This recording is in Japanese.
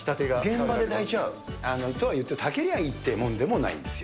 現場で炊いちゃう。とはいっても、炊けりゃいいってもんでもないんですよ。